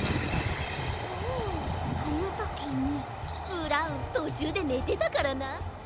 ブラウンとちゅうでねてたからな。